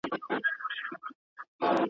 انصاف څه سو آسمانه زلزلې دي چي راځي.